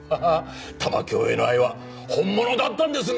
玉響への愛は本物だったんですね！